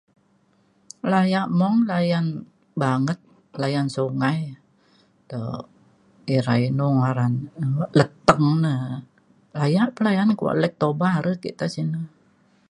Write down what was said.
layak mung layan banget layan sungai te irai inu ngaran um lepeng na layak pa layan kuak Lake Toba re ake tai sine.